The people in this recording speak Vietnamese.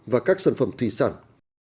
và các sản phẩm thủy sản